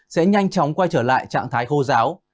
sẽ nhanh chóng quay trở lại trạng thái khô giáo